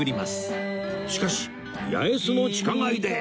しかし八重洲の地下街で